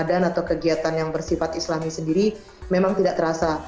atau kegiatan yang bersifat islami sendiri memang tidak terasa